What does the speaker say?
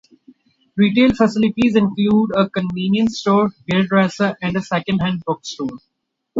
Retail facilities include a convenience store, hairdresser and second-hand bookstore.